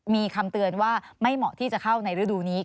มีคำเตือนว่าไม่เหมาะที่จะเข้าในฤดูนี้